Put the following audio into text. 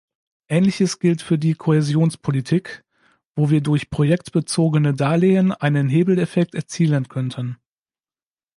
Ähnliches gilt für die Kohäsionspolitik, wo wir durch projektbezogene Darlehen einen Hebeleffekt erzielen könnten.